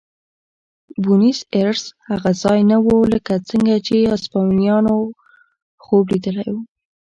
بونیس ایرس هغه ځای نه و لکه څنګه چې هسپانویانو خوب لیدلی.